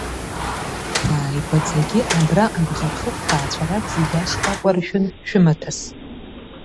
Ааигәаӡагьы абра Абӷархықә ҭаацәарак зегь ашкәакәа ршәын шәымаҭәас.